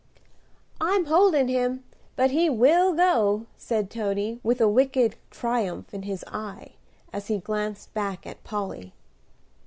"I am holding him, but he will go," said Toady, with a wicked triumph in his eye as he glanced back at Polly.